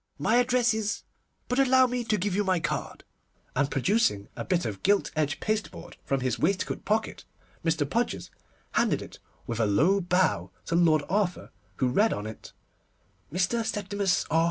My address is—, but allow me to give you my card'; and producing a bit of gilt edge pasteboard from his waistcoat pocket, Mr. Podgers handed it, with a low bow, to Lord Arthur, who read on it, _Mr. SEPTIMUS R.